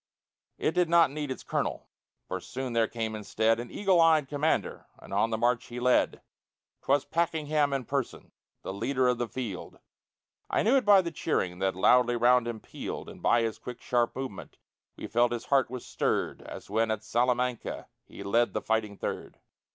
It did not need its colonel, For soon there came instead An eagle eyed commander, And on its march he led. 'Twas Pakenham in person, The leader of the field; I knew it by the cheering That loudly round him pealed; And by his quick, sharp movement We felt his heart was stirred, As when at Salamanca He led the fighting Third.